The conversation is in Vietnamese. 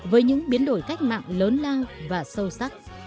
với những biến đổi cách mạng lớn lao và sâu sắc